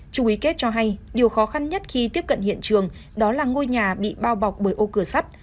trung ý kết cho hay điều khó khăn nhất khi tiếp cận hiện trường đó là ngôi nhà bị bao bọc bởi ô cửa sắt